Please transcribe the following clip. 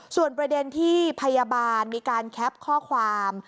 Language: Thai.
ส่วนประเด็นที่พยาบาลมีการแคปข้อความ